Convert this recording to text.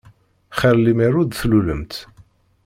Xir lemmer ur d-tlulemt.